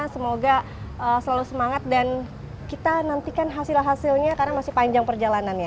semoga selalu semangat dan kita nantikan hasil hasilnya karena masih panjang perjalanannya